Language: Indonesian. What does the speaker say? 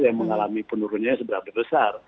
yang mengalami penurunannya seberapa besar